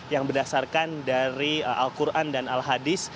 yang berdasarkan dari al quran dan al hadis